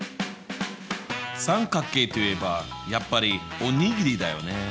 三角形といえばやっぱりお握りだよね。